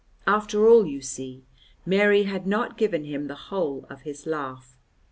After all, you see, Mary had not given him the whole of his laugh.